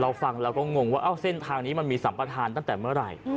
ฟังแล้วก็งงว่าเส้นทางนี้มันมีสัมประธานตั้งแต่เมื่อไหร่